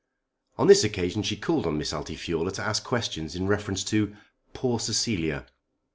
On this occasion she called on Miss Altifiorla to ask questions in reference to "poor Cecilia."